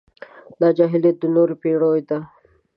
دا جاهلیت د نورو پېړيو دی.